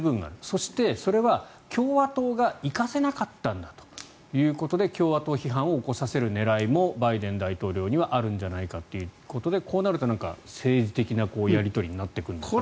そして、それは共和党が行かせなかったんだということで共和党批判を起こさせる狙いもバイデン大統領にはあるんじゃないかということでこうなると政治的なやり取りになってくるのかなと。